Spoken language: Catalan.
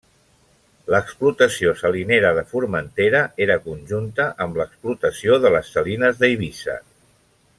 L'explotació salinera de Formentera era conjunta amb l'explotació de les salines d'Eivissa.